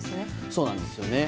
そうなんですね。